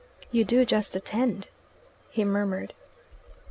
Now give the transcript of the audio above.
"You do just attend," he murmured.